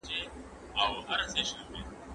سياسي مسايل ډېر حساس دي.